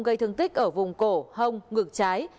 gây thương tích ở vùng cổ hông ngược trái